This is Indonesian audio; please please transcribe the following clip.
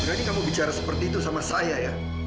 berani kamu bicara seperti itu sama saya ya